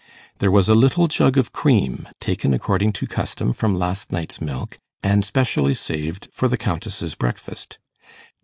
There was a little jug of cream, taken according to custom from last night's milk, and specially saved for the Countess's breakfast.